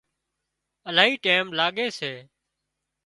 الاهي ٽيم لاڳي سي